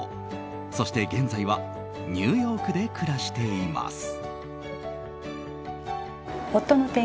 そして、現在はニューヨークで暮らしています。